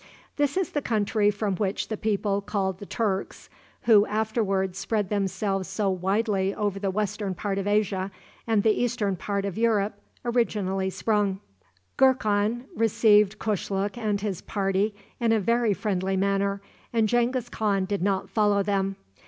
This is the country from which the people called the Turks, who afterward spread themselves so widely over the western part of Asia and the eastern part of Europe, originally sprung. Gurkhan received Kushluk and his party in a very friendly manner, and Genghis Khan did not follow them.